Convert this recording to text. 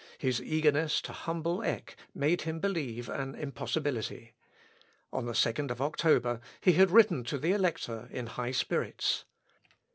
His eagerness to humble Eck made him believe an impossibility. On the 2nd of October, he had written the Elector, in high spirits.